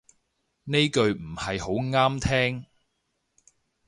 呢句唔係好啱聽